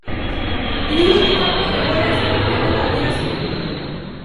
Hiriburutik kanpo egoera ezberdina dela adierazi du.